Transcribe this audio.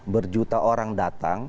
berjuta orang datang